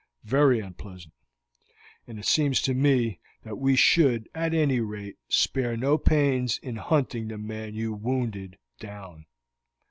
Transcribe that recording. "Very unpleasant, and it seems to me that we should at any rate spare no pains in hunting the man you wounded down."